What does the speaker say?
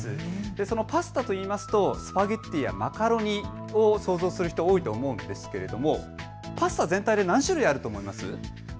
そのパスタというとスパゲッティやマカロニを想像する人が多いと思うんですがパスタ全体で何種類あると思いますか。